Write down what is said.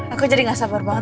aku jadi gak sabar banget